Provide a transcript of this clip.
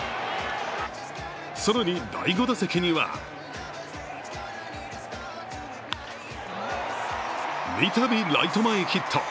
更に第５打席には三度、ライト前ヒット。